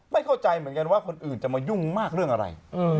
ไม่เข้าใจเหมือนกันว่าคนอื่นจะมายุ่งมากเรื่องอะไร